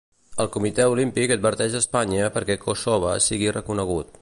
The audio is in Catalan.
El Comitè Olímpic adverteix a Espanya perquè Kossove sigui reconegut.